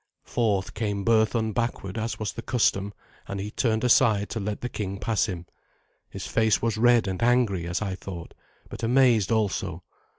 Forth came Berthun backward, as was the custom, and he turned aside to let the king pass him. His face was red and angry, as I thought, but amazed also.